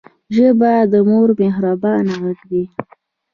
ژبه د مور مهربانه غږ دی